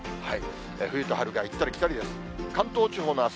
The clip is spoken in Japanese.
冬と春が行ったり来たりです。